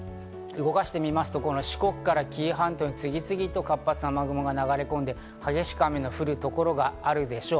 動かしてみますと四国から紀伊半島に次々と活発な雨雲が流れ込んで、激しく雨の降る所があるでしょう。